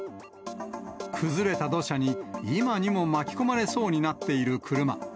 崩れた土砂に今にも巻き込まれそうになっている車。